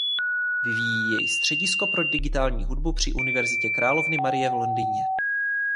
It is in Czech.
Vyvíjí jej Středisko pro digitální hudbu při Univerzitě královny Marie v Londýně.